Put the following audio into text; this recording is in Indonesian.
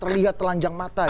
terlihat telanjang mata gitu